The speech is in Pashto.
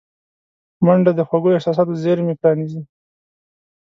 منډه د خوږو احساساتو زېرمې پرانیزي